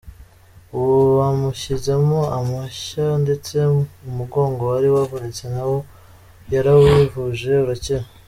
Ubu, bamushyizemo amashya ndetse umugongo wari wavunitse na wo yarawivuje urakira.